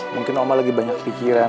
mungkin oma lagi banyak pikiran